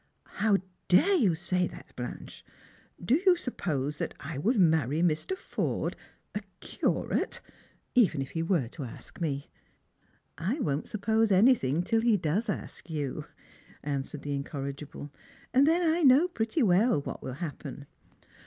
" How dare you say that, Blanche P Do you supj^ose that i would marry Mr. Forde — a Curate — even if he were to ask me?" " I won't suppose anything till lie does ask you," answered the incorrigible; "and then I know pretty well what will happen.